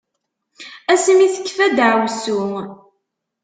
Ass mi tekfa daɛwessu.